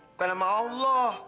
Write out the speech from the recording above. bukan sama allah